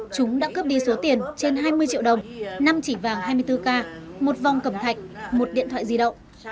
chúng đã cướp đi số tiền trên hai mươi triệu đồng năm chỉ vàng hai mươi bốn k một vòng cẩm thạch một điện thoại di động